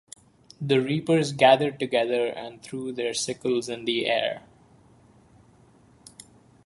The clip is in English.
The reapers gathered together and threw their sickles in the air.